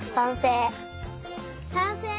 さんせい！